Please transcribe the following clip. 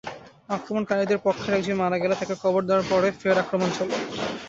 আক্রমণকারীদের পক্ষের একজন মারা গেলে তাকে কবর দেওয়ার পরে ফের আক্রমণ চলে।